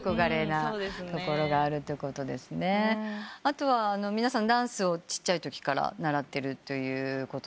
後は皆さんダンスをちっちゃいときから習ってると。